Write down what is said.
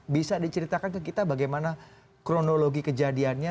bisa diceritakan ke kita bagaimana kronologi kejadiannya